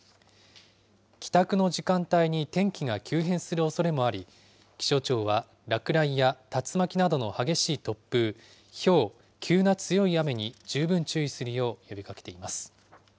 帰宅の時間帯に天気が急変するおそれもあり、気象庁は、落雷や竜巻などの激しい突風、ひょう、急な強い雨に十分注意するよう呼びかけています。